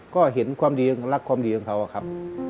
ก็เห็นความดีรักความดีของเขาอะครับ